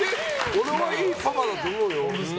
俺はいいパパだと思うよ。